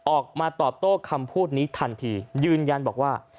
ออกมาตอบโต้คำพูดนี้ทันทียืนยันบอกว่า